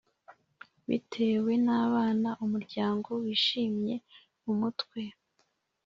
bitewe n abana Umuryango wishimye umutwe